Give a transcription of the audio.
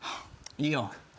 いいよ。